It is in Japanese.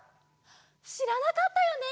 しらなかったよね！